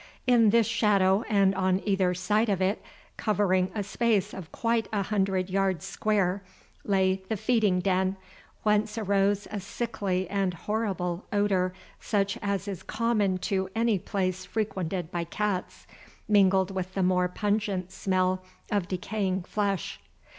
In this shadow and on either side of it, covering a space of quite a hundred yards square, lay the feeding den, whence arose a sickly and horrible odour such as is common to any place frequented by cats, mingled with the more pungent smell of decaying flesh.